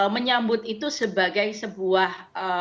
menyambut itu sebagai sebuah